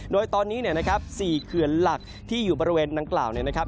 โดยตอนนี้นะครับสี่เขือนหลักที่อยู่บริเวณนังกล่าวนะครับ